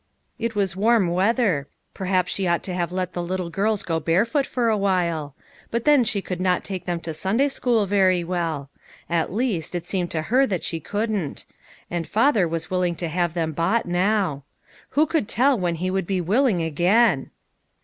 It was warm 128 LITTLE FISHERS : AND THEIR NETS. weather, perhaps she ought to have let the little girls go barefoot for awhile, but then she could not take them to Sunday school very well; at least, it seemed to her that she couldn't ; and father was willing to have them bought now. o o Who could tell when he would be willing again